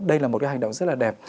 đây là một cái hành động rất là đẹp